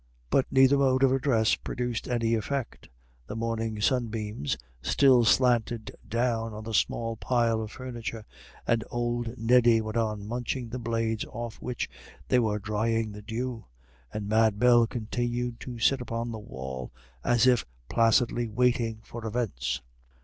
But neither mode of address produced any effect. The morning sunbeams still slanted down on the small pile of furniture, and old Neddy went on munching the blades off which they were drying the dew, and Mad Bell continued to sit upon the wall, as if placidly waiting for events.